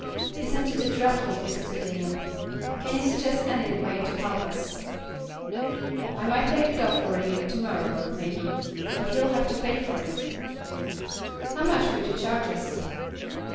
Isn't it a dreadful fix to be in? Can you suggest any way to help us?" "I might take it up for ye to morrow, maybe, but ye'll have to pay for it." "How much would you charge us?"